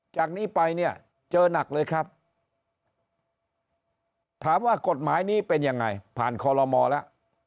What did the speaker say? จากนี้ไปเนี่ยเจอหนักเลยครับถามว่ากฎหมายนี้เป็นยังไงผ่านคอลโลมอลแล้ว